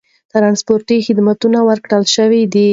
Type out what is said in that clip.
ترانسپورت خدمتونه ورکړل شول.